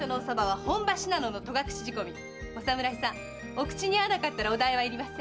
お口に合わなかったらお代はいりません。